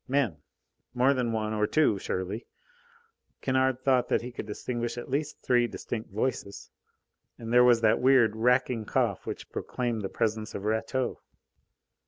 Men! More than one or two, surely! Kennard thought that he could distinguish at least three distinct voices; and there was that weird, racking cough which proclaimed the presence of Rateau.